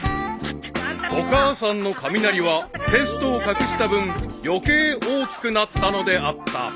［お母さんの雷はテストを隠した分余計大きくなったのであった］